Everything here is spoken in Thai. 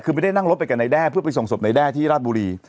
คือไม่ได้นั่งรถไปกับนายแด้เพื่อไปส่งศพนายแด้ที่ราชบุรี